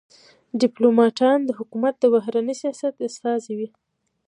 ډيپلوماټان د حکومت د بهرني سیاست استازي وي.